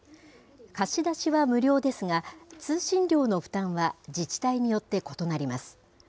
貸し出しは無料ですが、通信料の負担は自治体によって異なります。